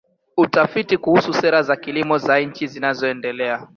Utafiti kuhusu sera za kilimo za nchi zinazoendelea.